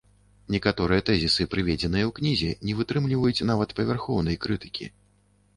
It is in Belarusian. Некаторыя тэзісы, прыведзеныя ў кнізе, не вытрымліваюць нават павярхоўнай крытыкі.